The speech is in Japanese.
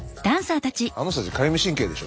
あの人たちかゆみ神経でしょ？